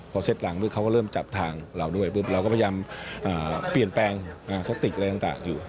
พอเซตหลังปุ๊บเขาก็เริ่มจับทางเราด้วยปุ๊บเราก็พยายามเปลี่ยนแปลงแทคติกอะไรต่างอยู่